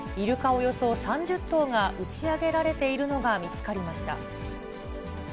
およそ３０頭が打ち上げられているのが見つかりました。